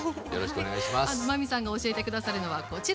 真海さんが教えて下さるのはこちらです。